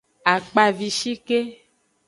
Akpavishike.